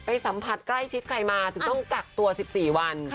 สัมผัสใกล้ชิดใครมาถึงต้องกักตัว๑๔วัน